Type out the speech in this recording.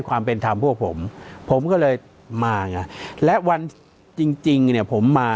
ความเป็นธรรมพวกผมผมก็เลยมาไงและวันจริงจริงเนี่ยผมมา